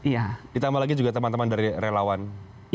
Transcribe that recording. ya ditambah lagi juga teman teman dari relawan indonesia